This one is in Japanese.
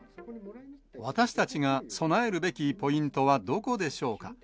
私たちが備えるべきポイントは、どこでしょうか。